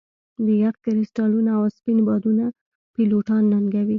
د یخ کرسټالونه او سپین بادونه پیلوټان ننګوي